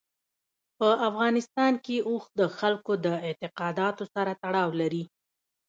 په افغانستان کې اوښ د خلکو د اعتقاداتو سره تړاو لري.